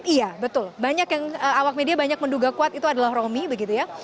iya betul awak media banyak menduga kuat itu adalah romy begitu ya